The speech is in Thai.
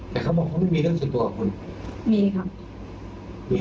เพราะสนบักจะมีอีกเรื่องร้องเรียนมาก